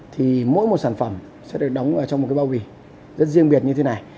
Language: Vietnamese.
thì mỗi một sản phẩm sẽ được đóng ở trong một cái bao bì rất riêng biệt như thế này